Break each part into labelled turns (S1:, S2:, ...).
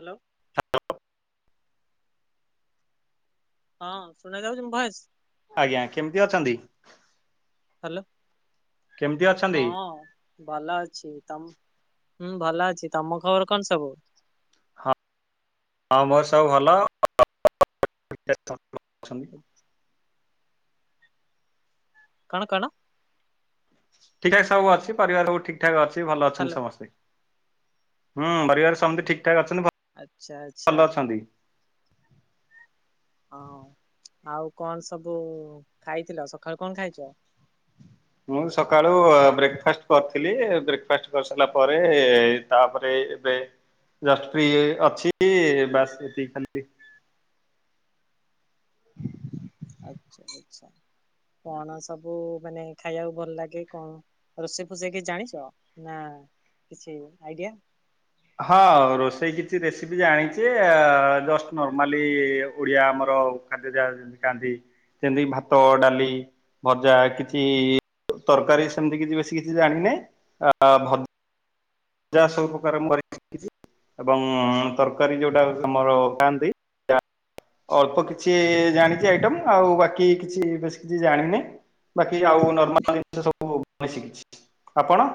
S1: Hello. ହଁ ଶୁଣାଯାଉଛି ମୋ ଭଏସ୍?
S2: ଆଜ୍ଞା କେମିତି ଅଛନ୍ତି?
S1: ହ୍ୟାଲୋ
S2: କେମିତି ଅଛନ୍ତି?
S1: ହଁ। ଭଲ ଅଛି ତମ୍ ହୁଁ ଭଲ ଅଛି ତମ ଖବର କଣ ସବୁ?
S2: ହଁ ମୋର ସବୁ ଭଲ। [unintelligible]
S1: [inaudible] କଣ କଣ?
S2: ଠିକ୍ଠକେ ସବୁ ଅଛି ପରିବାର ସବୁ ଠିକ୍ ଠାକ୍ ଅଛି ଭଲ ଅଛନ୍ତି
S1: ହ୍ୟାଲୋ
S2: ସମସ୍ତେ। ହୁଁ ପରିବାର ସମତେ ଠିକ୍ ଠାକ୍ ଅଛନ୍ତି ଭ
S1: ଆଚ୍ଛା ଆଚ୍ଛା। ହଁ ଆଉ କଣ ସବୁ ଖାଇଥିଲ ସକାଳୁ କଣ ଖାଇଛ?
S2: ମୁଁ ସକାଳୁ ବ୍ରେକ୍ଫାଷ୍ଟ କରିଥିଲି ବ୍ରେକ୍ଫାଷ୍ଟ କରିସାରିଲା ପରେ ତାପରେ ଏବେ ଯଷ୍ଟ ଫ୍ରି ଇ ଅଛି ବାସ୍ ଏତିକି ଖାଲି।
S1: ଆଚ୍ଛା ଆଚ୍ଛା କଣ ସବୁ ମାନେ ଖାଇବାକୁ ଭଲ ଲାଗେ କଣ? ରୋଷେଇ ଫୋଷେଇ କିଛି ଜାଣିଛ ନା କିଛି ଆଇଡିଆ?
S2: ହଁ ରୋଷେଇ କିଛି ରେସିପି ଜାଣିଛି ଯେ ଜଷ୍ଟ ନର୍ମାଲି ଓଡ଼ିଆ ଆମର ଖାଦ୍ୟ ଯାହା ଯେମତି ଖାଆନ୍ତି ଯେମିତି ଭାତ, ଡାଲି, ଭଜା କିଛି
S1: ହୁଁ
S2: ତରକାରୀ ସେମିତି କିଛି ବେଶୀ କିଛି ଜାଣିନେଇ ଆ ଭ ଜା
S1: ହୁଁ।
S2: ସବୁ ପ୍ରକାର ମୁ କରି ଶିଖିଛି ଏବଂ ତରକାରୀ ଯୋଉଟା ଆମର ଖାଆନ୍ତି ଅଳ୍ପ କିଛି ଜାଣିଛି ଆଇଟମ୍ ଆଉ ବାକି କିଛି ବେଶୀ କିଛି ଜାଣିନି। ବାକି ଆଉ ନର୍ମାଲ ଜିନିଷ ସବୁ ମାନେ ଶିକିିଛି, ଆପଣ?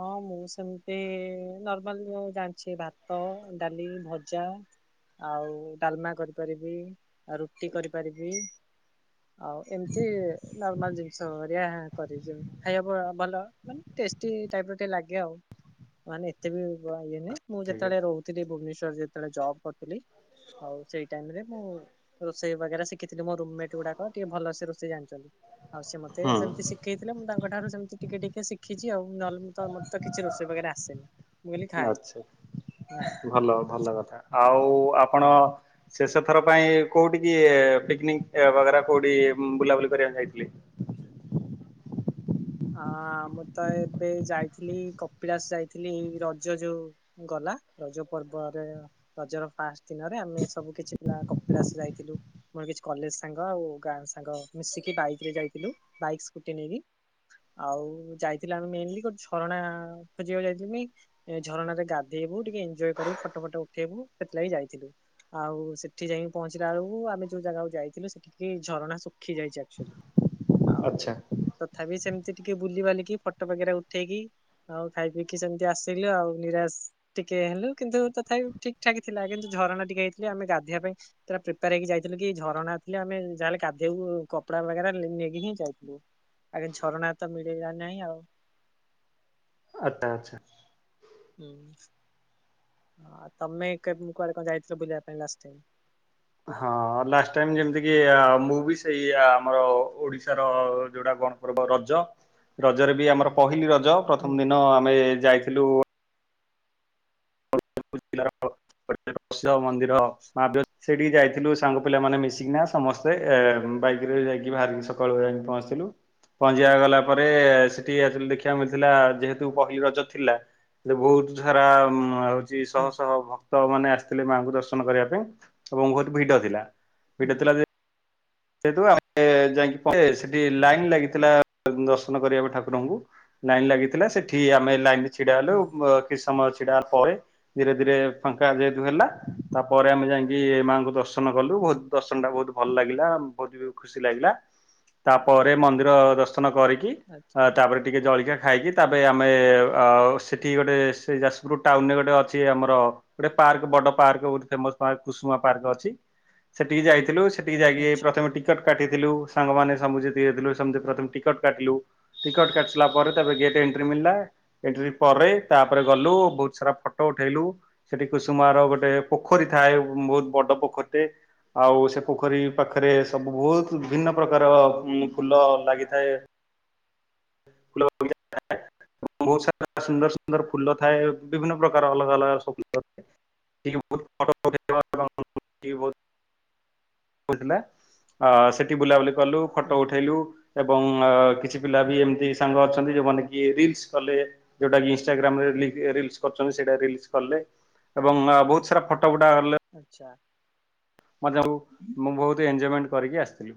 S1: ହଁ ମୁଁ ସେମିତି ନର୍ମାଲ ମୁଁ ଜାଣିଛି ଭାତ, ଡାଲି, ଭଜା। ଆଉ ଡାଲମା କରିପାରିବି। ଆ ରୁଟି କରିପାରିବି, ଆଉ ଏମିତି ନର୍ମାଲ ଜିନ ଷ ହେରିଆ କରିଯଉ ଖାଇବା ଭ ଭଲ ମାନେ ଟେଷ୍ଟି ଟାଇପ୍ ର ଟିକେ ଲାଗେ ଆଉ ମାନେ ଏତେ ବି ଇଏ ନାଇଁ ମୁଁ
S2: ଠିକ
S1: ଯେତଳେ
S2: ଅଛି
S1: ରହୁ ଥିଲି ଭୁବନେଶ୍ୱରରେ ଯେତେବେଳେ ଜବ୍ କରିଥିଲି ଆଉ ସେଇ ଟାଇମ୍ ରେ ମୁଁ ରୋଷେଇ ବଗେରା ଶିଖିଥିଲି ମୋ ରୁମ୍ ମେଟ୍ ଗୁଡାକ ଟିକେ ଭଲସେ ରୋଷେଇ ଜାଣିଚନ୍ତି ଆଉ ସେ ମତେ ସେମିତି
S2: ହୁଁ
S1: ଶି ଖେଇଥିଲେ ମୁଁ ତାଙ୍କ ଠାରୁ ସେମିତି ଟିକେ ଟିକେ ଶିଖିଛି ଆଉ ନହେଲେ ମୁ ତ ମତେ ତ କିଛି ରୋଷେଇ ବଗେରେ ଆସେନି। ମୁଁ ଖାଲି ଖାଏ
S2: ଆଚ୍ଛା ଭଲ ଭଲ କଥା ଆଉ ଆପଣ
S1: ହଁ।
S2: ଶେଷ ଥର ପାଇଁ କୋଉଠି କି ପିକନିକ୍ ବଗରା କୋଉଠି ବୁଲାବୁଲି କରିବାକୁ ଯାଇଥିଲି?
S1: ହଁ ମୁଁ ତ ଏବେ ଯାଇଥିଲି କପିଳାସ ଯାଇଥିଲି ଏଇ ରଜ ଯୋଉ ଗଲା ରଜ ପର୍ବରେ ରଜର ଫାଷ୍ଟ ଦିନରେ ଆମେ ସବୁ କିଛି ପିଲା କପିଳାସ ଯାଇଥିଲୁ। ମୋର କିଛି କଲେଜ ସାଙ୍ଗ ଆଉ ଗାଁ ସାଙ୍ଗ ମିଶିକି ବାଇକ୍ ରେ ଯାଇଥିଲୁ ବାଇକ୍ ସ୍କୁଟି ନେଇକି। ଆଉ ଯାଇଥିଲ ଆମେ ମେନଲି ଗୋଟେ ଝରଣା ଖୋଜିବାକୁ ଯାଇଥିନି। ଏ ଝରଣାରେ ଗାଧେଇବୁ ଟିକେ ଏଞ୍ଜୟ କରିବୁ ଫଟୋ ଫଟ ଉଠେଇବୁ ସେଥିଲାଗି ଯାଇଥିଲୁ। ଆଉ ସେଠି ଯାଇକି ପହଞ୍ଚିଲା ବେଳକୁ ଆମେ ଯୋଉ ଜାଗାକୁ ଯାଇଥିଲୁ ସେଠି କି ଝରଣା ଶୁଖି ଯାଇଛି ଆକ୍ଚ୍ୟୁଲି ଆଉ
S2: ଆଚ୍ଛା।
S1: ତଥାପି ସେମି ତି ଟିକେ ବୁଲି ବାଲିକି ଫଟୋ ବଗେରା ଉଠେଇକି ଆଉ ଖାଇ ପିଇିକି ସେମିତି ଆସିଲୁ ଆଉ ନିରାଶ। ଟିକେ ହେଲୁ କିନ୍ତୁ ତଥାପି ଠିକ୍ ଠାକ୍ ଥିଲା କିନ୍ତୁ ଝରଣା ଟିକେ ହେଇଥିଲେ ଆମେ ଗାଧେଇବା ପାଇଁ ପୁରା ପ୍ରିପେୟାର ହେଇକି ଯାଇଥିଲୁ କି ଝରଣା ଥିଲେ ଆମେ ଯାହେଲେ ଗାଧେଇବୁ କପଡା ବଗେରା ଲେ ନେଇକି ହିଁ ଯାଇଥିଲୁ। ଆଗେ ଛରଣା ତ ମିଳିଲା ନାହିଁ ଆଉ।
S2: ଆଚ୍ଛା ଆଚ୍ଛା।
S1: ହୁଁ ହଁ ତମେ କେବେ କୁଆଡେ କଣ ଯାଇଥିଲ ବୁଲିବା ପାଇଁ ଲାଷ୍ଟ ଟାଇମ୍?
S2: ହଁ ଲାଷ୍ଟ ଟାଇମ୍ ଯେମିତି କି ଅ ମୁଁ ବି ସେଇଆ ଆମର ଓଡିଶାର ଯୋଉଟା କଣ ରଜ, ରଜରେ ବି ଆମର ପହିଲି ରଜ
S1: ହୁଁ
S2: ପ୍ରଥମ ଦିନ ଆମେ ଯାଇଥିଲୁ [inaudible] ଗୋଟେ ପ୍ରସିଦ୍ଧ ମନ୍ଦିର ମା ବ୍ୟ ସେଠିକି ଯାଇଥିଲୁ ସାଙ୍ଗ ପିଲାମାନେ ମିଶିକିନା। ସମସ୍ତେ
S1: ହୁଁ
S2: ଏ ବାଇକ୍ ରେ ଯାଇକି ବାହାରିିକି ସକାଳୁ ଯାଇଁକି ପହଁଞ୍ଚିଥିଲୁ। ପହଁଞ୍ଚିବା ଗଲା ପରେ ସେଠିକି ଯାଇଥିଲୁ ଦେଖିବାକୁ ମିଳିଥିଲା ଯେହେତୁ ପହିଲି ରଜ ଥିଲା। ହେଟି ବହୁତ ଛାରା ଆଉ ଚି ଶହ
S1: ହୁଁ
S2: ଶହ ଭକ୍ତ ମାନେ ଆସିଥିଲେ ମାଆଙ୍କୁ ଦର୍ଶନ କରିବା ପାଇଁ ଏବଂ ବହୁତ ଭିଡ ଥିଲା।
S1: ହୁଁ
S2: [unintelligible] ଯେୁ
S1: ଆଚ୍ଛା
S2: ଆ ଯାଇକି ପ ସେଠି ଲାଇନ୍ ଲାଗିଥିଲା ଦର୍ଶନ କରିବା ପାଇଁ ଠାକୁରଙ୍କୁ। ଲାଇନ ଲାଗିଥିଲା ସେଠି ଆମେ ଲାଇନ ରେ ଛିଡା ହେଲୁ।
S1: ହୁଁ
S2: କିଛି ସମୟ ଛିଡା ପରେ ଧୀରେ ଧୀରେ ଫାଙ୍କା ଯେହେତୁ ହେଲା ତାପରେ ଆମେ ଯାଇକି ଏ ମାଆଙ୍କୁ ଦର୍ଶ ଦର୍ଶନ କଲୁ ବହୁତ ଦର୍ଶନ ଟା ବହୁତ ଭଲ ଲାଗିଲା। ବହୁତ ବି ଖୁସି ଲାଗିଲା ତାପରେ ମନ୍ଦିର ଦର୍ଶନ କରିକି
S1: ଆଚ୍ଛା
S2: ତାପରେ ଟିକେ ଜଳିକିଆ ଖାଇକି ତାପରେ ଆମେ ସେଠି ଗୋଟେ ସେ ଯାଜପୁର ଟାଉନରେ ଗୋଟେ ଅଛି ଆମର ଗୋଟେ ପାର୍କ ବଡ ପାର୍କ ଗୋଟେ ଫେମସ ପାର୍କ କୁସୁମା ପାର୍କ ଅଛି ସେଠିକି ଯାଇଥିଲୁ ସେଠିକି ଯାଇକି
S1: ଆଚ୍ଛା ହଁ
S2: ଟିକଟ କାଟିଥିଲୁ ସାଙ୍ଗମାନେ ସମୁତି ପ୍ରଥମେ ଟିକଟ କାଟିଲୁ। ଟିକଟ କାିଲା ପରେ ତବେ ଗେଟ ଏଣ୍ଟ୍ର ମିଳିଲା ଏଥ୍ରୀ ପରେ ତାପରେ ଗଲୁ ବହୁତ ସାରା ଫଟୋ ଉଠେଇଲୁ। ସେଠି କୁସୁମା ର ଗୋଟେ ପୋଖରୀ ଥାଏ ବହୁତ ବଡ ପୋଖରୀଟେ ଆଉ ସେ ପୋଖରୀ ପାଖରେ ସବୁ ବହୁତ ଭିନ୍ନ ପ୍ରକାର ଫୁଲ ଲାଗିଥାଏ। [unintelligible] ଏବଂ ବହୁତ ସାରା ସୁନ୍ଦର ସୁନ୍ଦର ଫୁଲ ଥାଏ ବିଭିନ୍ନ ପ୍ରକାର ଅଲଗା ଅଲଗା ସ ଥାଏ। [unintelligible] କଥିଲା ସେଠି ବୁଲାବୁଲି କଲୁ
S1: ହୁଁ
S2: ଫଟୋ
S1: ହୁଁ
S2: ଉଠେଇଲୁ। ଏବଂ କିଛି ପିଲା ବି ଏମିତି ସାଙ୍ଗ ଅଛନ୍ତି ଯୋଉମାନେ କି ରିଲ୍ସ କଲେ। ଯୋଉଟା କି ଇନଷ୍ଟାଗ୍ରାମ ରେ ରିଲସ କରଛନ୍ତି ସେଇଟା ରିଲ କଲେ। ଏବଂ ବହୁତ ସାରା ଫଟୋ ଗୁଡା [unintelligible]
S1: ଆଚ୍ଛା
S2: ମେଙ୍କୁ ମୁଁ ବହୁତ ଏଞଜୟମେଣ୍ଟ କରିକି ଆସିଥିଲୁ।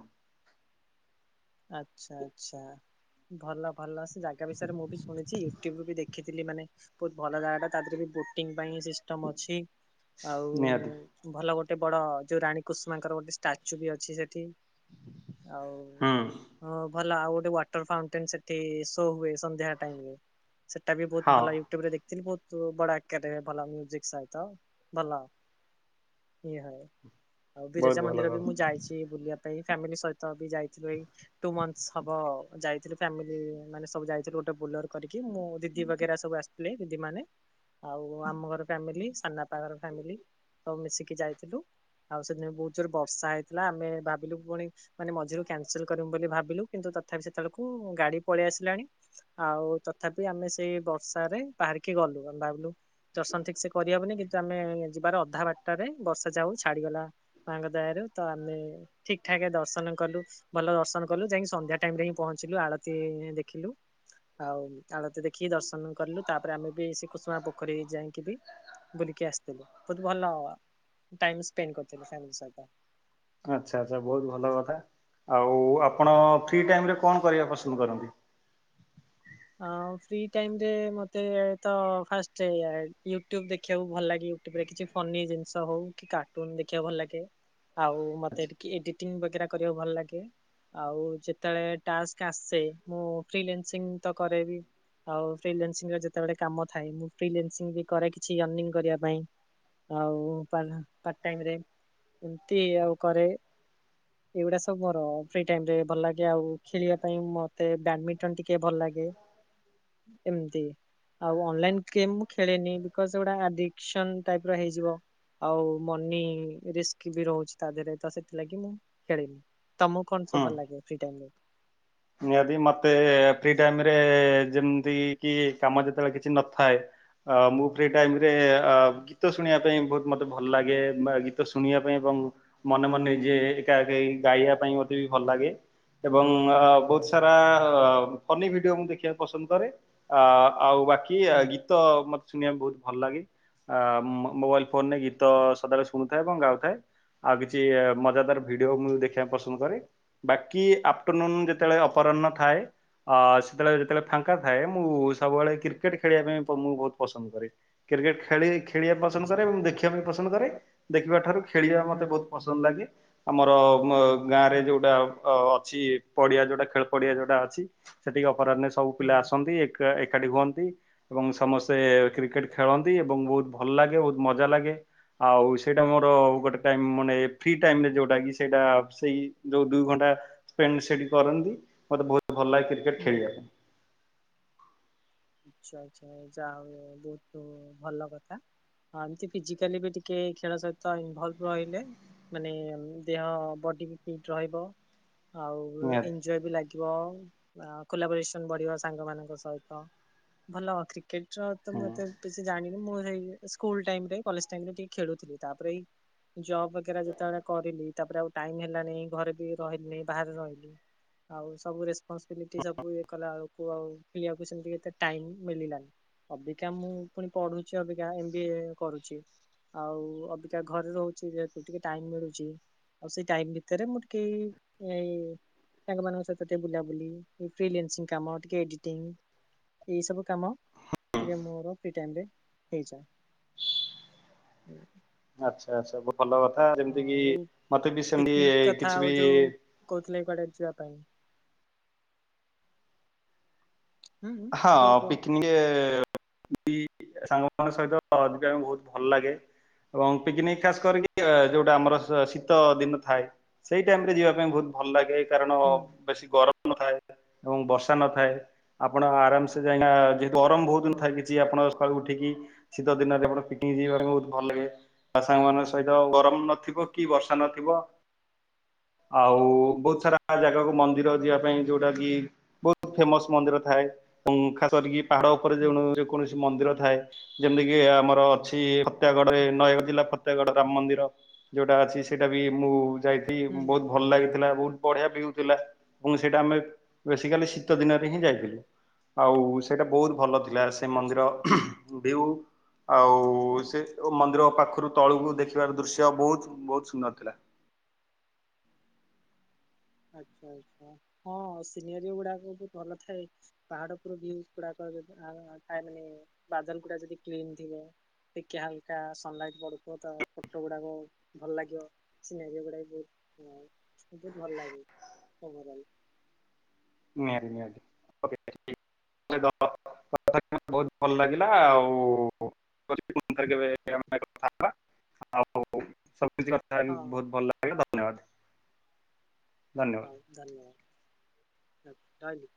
S1: ଆଛା ଆଛା ଭଲ ଭଲ ସେ ଜାଗା ବିଷୟରେ ମୁଁ ବି ଶୁଣିଛି ୟୁଟ୍ୟୁବୁ ବି ଦେଖିଥିଲି ମାନେ ବହୁତ ଭଲ ଜାଗା ଟା ତା ଦେହରେ ବି ବୋଟିଂ ପାଇଁ ସିଷ୍ଟମ ଅଛି। ଆଉ
S2: ନିହାତି
S1: ଭଲ ଗୋଟେ ବଡ ଯୋଉ ରାଣୀ କୁଷ୍ମାଙ୍କର ଗୋଟେ ଷ୍ଟାଚୁ ବି ଅଛି ସେଠି। ଆଉ
S2: ହୁଁ
S1: ହଁ ଭଲ ଆଉ ଗୋଟେ ୱାଟର ଫାଉଣ୍ଟେନ ସେଠି ଶୋ ହୁଏ ସନ୍ଧ୍ୟା ଟାଇମରେ। ସେଟା ବି ବହୁତ
S2: ହଁ
S1: ଭଲ ୟୁଟ୍ୟୁବ ରେ ଦେଖଥିଲି ବହୁତ ବଡ ଭଲ ମିକ ସହିତ ଭଲ। ଇଏ ହ ଆଉ
S2: ବହୁତ
S1: ବିରଜା
S2: ଭଲ
S1: ମନ୍ଦିର
S2: କ
S1: ବି ମୁଁ ଯାଇଛି ବୁଲିବା ପାଇଁ ଫ୍ୟାମିଲି ସହିତ ବି ଯାଇଥିଲୁ ଏଇ ତୁ ମଂଥ ହବ ଯାଇଥିଲ ଫାମିଲ ଯାଇଥିଲୁ ମାନେ ସବୁ ଯାଇଥିଲୁ ଗୋଟେ ବୁଲର କରିକି ମୁଁ ଦିଦି ବଗେରା ସବୁ ଆସିଥିଲ। ଥିଲେ ଦିଦି ମାନେ ଆଉ ଆମ ଘର ଫ୍ୟାମିଲି ସନାପର ଫ୍ୟାମିଲି ସବୁ ମିଶିକି ଯାଇଥିଲୁ। ଆଉ ସେଥିିନ ବହୁତ ଜୋର ବର୍ଷା ହେଇଥିଲା ଆମେ ଭାବିଲୁ ପୁଣି ମାନେ ମଝିରୁ କ୍ୟାନସେଲ କରିବୁ। ବୋଲି ଭାବିଲୁ କିନ୍ତୁ ତଥାପି ସେତେବେଳକୁ ଗାଡି ପଳେଇ ଆସିଲାଣି। ଆଉ ତଥାପି ଆମେ ସେଇ ବବର୍ଷା ରେ ବାହାରିକି ଗଲୁ ଭାବିଲୁ ଦର୍ଶନ ଠିକ ସେ କରିହବନି କିନ୍ତୁ ଆମେ ଯିବାର ଅଧା ବାରଟାରେ ବର୍ଷା ଯା ହାଉ ଛାଡିଗଲା। ମାଙ୍କ ଦୟ ରାରୁ ତ ଆମେ ଠିକ ଠାକ ଦର୍ଶନ କଲୁ ଭଲ ଦର୍ଶନ ଗଲୁ ଯାଇକି ସନ୍ଧ୍ୟା ଟାଇମ ରେ ହିଁ ପହଞ୍ଚିଲୁ ଆଳତି ଦେଖିଲୁ। ଆଉ ଆଳତୀ ଦେଖିକି ଦର୍ଶନ କରଲୁ ତାପରେ ଆମେ ବି ସେ କୁସୁମା ପୋଖରୀ ଯାଇକି ବି ବୁଲିକି ଆସିଥିଲି ବହୁତ ଭଲ ଟାଇମ ସ୍ପେଣ୍ଡ କରିଥିଲୂ ଫାଂମିଲ୍ ସହିତ।
S2: ଆଛା ଆଚ୍ଛା ବହୁତ ଭଲ କଥା ଆଉ ଆପଣ ଫ୍ରି ଟାଇମ ରେ କଣ କରିବା ପସନ୍ଦ କରନ୍ତି।
S1: ହଁ ଫ୍ରି ଟାଇମରେ ମତେ ତ ଫାଷ୍ଟ ୟୁଟ୍ୟୁବ ଦେଖିବାକୁ ଭଲ ଲାଗିବୁ। [unintelligible] ଦେଖିଛି ଫନି ଜିନିଷ ହଉ କି କାର୍ଟୁନ ଦେଖିବାକୁ ଭଲ ଲାଗେ। ଆଉ ମତେ ଟିକେ ଏଡିଟିଂ ବଗେରା କରିବାକୁ ଭଲ ଲାଗେ। ଆଉ ଯେତେବେଳେ ଟାସ୍କ ଆସେ ମୁଁ ଫ୍ରିଲାନ୍ସିଙ୍ଗ୍ ତ କରେବି। ଆଉ ଫ୍ରିଲାନ୍ସିଂରେ ଯେତେବେଳେ କାମ ଥାଏ ମୁଁ ଫ୍ରିଲେନ୍ସିଂ ବି କରେ କିଛି ଅର୍ନିଙ୍ଗ କରିବା ପାଇଁ। ଆଉ ପାଲ୍ହାନ ପାର୍ଟ ଟାଇମରେ ଏମିତି ଆଉ କରେ। ଏଇଗୁଡା ସବୁ ମୋର ଫ୍ରି ଟାଇମରେ ଭଲ ଲାଗେ ଆଉ ଖେଳିବା ପାଇଁ ମତେ ବ୍ୟାଡମିଣ୍ଟନ ଟିକେ ଭଲ ଲାଗେ। ଲାଗେ, ଏମିତି। ଆଉ ଅନଲାଇନ ଗେମ୍ ମୁଁ ଖେଳେନି ବିକଜ ଏଗୁଡା ଆଡିକ୍ସନ ଟାଇପ୍ ର ହେଇଯିବ। ଆଉ ମନି ରିସ୍କ ବି ରହୁଛି ତା ଦେହରେ ତ ସେଥିଲାଗି ମୁଁ ଖେଳେନି, ତମକୁ କଣ ସବୁ
S2: ହୁଁ।
S1: ଭଲ ଲାଗେ ଫ୍ରିଟାଇମରେ?
S2: ନିହାତି ମତେ ଫ୍ରି ଟାଇମରେ ଯେମିତି କି କାମ ଯେତେବେଳେ କିଛି ନଥାଏ ଅ ମୁଁ ଫ୍ରି ଟାଇମରେ ଅ ଗୀତ ଶୁଣିବା ପାଇଁ ବହୁତ ମୋତେ ଭଲ ଲାଗେ ବା ଗୀତ ଶୁଣିବା ପାଇଁ ଏବଂ ମନେ ମନେ ଯିଏ ଏକାକୀ ଗାଇବା ପାଇଁ ମୋତେ ବି ଭଲ ଲାଗେ ଏବଂ ଆ ସାରା-ଆ-ଆ ଫନି ଭିଡିଓ ମୁଁ ଦେଖିବାକୁ ପସନ୍ଦ କରେ ଆ ଆଉ ବାକି କି ଆ
S1: ହୁଁ
S2: ଗୀତ ମତେ ଶୁଣିବାକୁ ବହୁତ ଭଲ ଲାଗେ। ଆ ମୋ ମୋବାଇଲ ଫୋନରେ ଗୀତ ସଦାବେଳେ ଶୁଣୁଥାଏ ଏବଂ ଗାଉଥାଏ ଆଉ କିଛି ମଜାଦାର ଭିଡିଓ ମୁଁ ଦେଖିବାକୁ ପସନ୍ଦ କରେ ବାକି ଆଫ୍ଟରନୁନ ଯେତେବେଳେ ଅପରାହ୍ନ ଥାଏ ଆ ସେତେବେଳେ ଯେତେବେଳେ ଫାଙ୍କା ଥାଏ ମୁଁ ସବୁବେଳେ କ୍ରିକେଟ ଖେଳିବା ପାଇଁ ତ ମୁଁ ବହୁତ ପସନ୍ଦ କରେ, କ୍ରିକେଟ ଖେଳେ ଖେଳିବା ପସନ୍ଦ
S1: ଆଚ୍ଛା
S2: କରେ ଏବଂ ଦେଖି ଦେଖିବା ବି ପସନ୍ଦ କରେ ଦେଖିବା ଠାରୁ ଖେଳିବା
S1: ହୁଁ
S2: ମତେ ବହୁତ ପସନ୍ଦ ଲାଗେ ଆମର ଗାଆଁରେ
S1: ହୁଁ
S2: ଯୋଉଟା ଅ ଅଛି ପଡିଆ ଯୋଉଟା ଖେଳ ପଡିଆ ଯୋଉଟା ଅଛି ସେଠିକି ଅପରାହ୍ନରେ ସ ସବୁ
S1: ହୁଁ
S2: ପିଲା ଆସନ୍ତି ଏକ୍ ଏକାଠି ହୁଅନ୍ତି। ଏବଂ ସମସ୍ତେ କ୍ରିକେଟ ଖେଳନ୍ତି ଏବଂ ବହୁତ ଭଲ ଲାଗେ ବହୁତ ମଜା ଲାଗେ। ଆଉ ସେଇଟା ମୋର ଗୋଟେ ଟାଇମ ମାନେ ଫ୍ରି ଟାଇମରେ ଯୋଉଟା କି ସେଇଟା ସେଇ ଯୋଉ ଦୁଇ ଘଣ୍ଟା ସ୍ପେଣ୍ଡ ସେଠି କରନ୍ତି ମତେ ବହୁତ ଭଲ ଲାଗେ କ୍ରିକେଟ
S1: ହୁଁ।
S2: ଖେଳିବା ପାଇଁ।
S1: ଆଚ୍ଛା-ଆଚ୍ଛା ଯା ହଉ ବହୁତ ଭଲ କଥା। ହଁ ଏମତି ଫିଜିକାଲି ବି ଟିକେ ଖେଳ ସହିତ ଇନଭଲ୍ଭ ରହିଲେ ମାନେ ଦେହ ବଡି ବି ଫିଟ୍ ରହିବ। ଆଉ
S2: ନିହାତି
S1: ଏଞଜୟ ବି ଲାଗିବ ଖୋଲା ପରିଶ୍ରମ ବଢିବ ସାଙ୍ଗମାନଙ୍କ ସହିତ। ଭଲ କ୍ରିକେଟର ତ ମତେ
S2: ହୁଁ
S1: କିଛି ଜାଣିନି ମୁଁ ସେଇ ସ୍କୁଲ ଟାଇମରେ କଲେଜ ଟାଇମରେ ଟିକେ ଖେଳୁଥିଲି ତାପରେ ଏଇ ଜବ ବଗେରା ଯେତେବେଳେ କରିଲି ତାପରେ ଆଉ ଟାଇମ ହେଲାନି ଘରେ ବି ରହିଲିନି ବାହାରେ ରହିଲି। ଆଉ ସବୁ ରେସ୍ପନସିବିଲିଟି ସବୁ ଏ‌ କଲାବେଳକୁ ଆଉ ଖେଳିବାକୁ ସେମିତି ଏତେ ଟାଇମ୍ ମିଳିଲାନି ଅବିକା ମୁଁ ପୁଣି ପଢୁଛି ଅବିକା ଏମ୍ ବିଏ କରୁଛି। ଆଉ ଅବିକା ଘରେ ରହୁଛି ଯେହେତୁ ଟିକେ ଟାଇମ ମିଳୁଛି। ଆଉ ସେ ଟାଇମ ଭିତରେ ମୁଁ ଟିକେ ଏଇ ଏଇ ସାଙ୍ଗମାନଙ୍କ ସହିତ ଟିକେ ବୁଲାବୁଲି ଫ୍ରିଲେନ୍ସିଂ କାମ ଟିକେ ଏଡିଟିଂ ଏଇ ସବୁ କାମ ଟିକେ ମୋର ଫ୍ରି ଟାଇମରେ ହେଇଯାଏ ହୁଁ।
S2: ଆଚ୍ଛା-ଆଛା, ଭଲ କଥା ଯେମିତି କି
S1: ଆଉ
S2: ମତେ ବି ସେମିତି
S1: ପିକନିକ କଥା
S2: କିଛି
S1: ଆଉ
S2: ବି
S1: ଯୋଉ କହୁଥିଲେ କୁଆଡେ ଯିବା ପାଇଁ। ହୁଁ
S2: ହଁ
S1: କୁହ କୁହ
S2: ପିକ୍ ଇଏ [inaudible] ସାଙ୍ଗମାନଙ୍କ ସହିତ ଯିବା ପାଇଁ ବହୁତ ଭଲ ଲାଗେ। ଏବଂ ପିକନିକ ଖାସ କରିକି ଯୋଉଟା ଆମର ସ ଶୀତ ଦିନ ଥାଏ। ସେଇ ଟାଇମ ରେ ଯିବା ପାଇଁ ବହୁତ ଭଲ ଲାଗେ କାରଣ
S1: ହୁଁ
S2: ବେଶୀ ଗରମ ନଥାଏ ଏବଂ ବର୍ଷା ନଥାଏ। ଆପଣ ଆରାମସେ ଯାଇଣା ଯେହତୁ ଗରମ ବହୁ
S1: ହୁଁ
S2: ନଥାଏ ବି। ଜି ଆପଣଙ୍କ ସକାଳୁ ଉଠିକି ଶୀତ ଦିନରେ ଆପଣ ପିକନିକ ଯିବା କୁ ବହୁତ ଭଲ ଲାଗେ। ଆ ସାଙ୍ଗ ମାନଙ୍କ ସହିତ ଗରମ ନଥିବ କି ବର୍ଷା ନଥିବ। ଆଉ ବହୁତ ସାରା ଜାଗାକୁ ମନ୍ଦିର ଯିବା ପାଇଁ ଯୋଉଟା କି ବହୁତ ଫେମସ ମନ୍ଦିର ଥାଏ ଏବଂ ଖାସ କରିକି ପାହାଡ ଉପରେ
S1: ହୁଁ
S2: ଯେଣୁ ଯେକୌଣସି ମନ୍ଦିର ଥାଏ ଯେମିତିକି ଆମର ଅଛି ଫତ୍ୟାଗଡରେ
S1: ହୁଁ
S2: ନୟାଗଡ଼ ଜିଲ୍ଲା ଫ ତେଗଡ ରାମ ମନ୍ଦିର ଯୋଉଟା ଅଛି ସେଇଟା ବି ମୁଁ ଯାଇଥି ବହୁତ ଭଲ ଲାଗିଥିଲା ବହୁତ ବଢିଆ ଭିୟୁ ଥିଲା ଏବଂ ସେଇଟା ଆମେ ବେସିକାଲି ଶୀତ ଦିନରେ ହିଁ
S1: ହୁଁ
S2: ଯାଇଥିଲୁ। ଆଉ ସେଇଟା ବହୁତ ଭଲ ଥିଲା ସେ
S1: ଆଚ୍ଛା।
S2: ମନ୍ଦିର ଭିୟୁ। ଆଉ ସେଯୋଉ ମନ୍ଦିର ପାଖରୁ ତଳକୁ ଦେଖିବାର ଦୃଶ୍ୟ ବହୁତ ବହୁତ ସୁନ୍ଦର ଥିଲା।
S1: ଆଚ୍ଛା ଆଛା ହଁ ସିନେରି ଗୁଡାକ ବି ଭଲଥାଏ। ପାହାଡ ଉପର ଭିୟୁ ଗୁଡାକ [unintelligible] ଆଉ ଯଦି ଥାଏ ମାନେ ବାଦଲ ଗୁଡା ଯଦି କ୍ଲିନ୍ ଥିବ। ଟିକେ ହାଲକା ସନଲାଇଟ୍ ପଡୁଥିବ ତ ଫଟୋ ଗୁଡାକ ଭଲ ଲାଗିବ। ସିନେରି ଗୁଡା ବି ବହୁତ ହଁ ବହୁତ ଭଲ ଲାଗେ ଓଭରାଲି।
S2: ନିହାତି ନିହାତି ଓକେ। - [unintelligible] [unintelligible] ବହୁତ ଭଲ ଲାଗିଲା ଆଉ [unintelligible]
S1: ହଁ
S2: ଆଜ୍ଞା ଧନ୍ୟବାଦ। ଧନ୍ୟବାଦ
S1: ହଉ ଧନ୍ୟବାଦ [unintelligible] ରହିଲି।